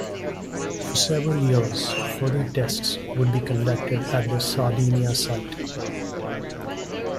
For several years, further tests would be conducted at the Sardinia site.